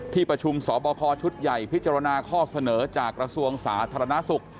ที่ประชุมสบคชุดใหญ่พิจารณาข้อเสนอจากกระทรวงสาธารณสุข